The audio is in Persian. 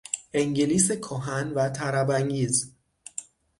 انگلیس کهن و طرب انگیز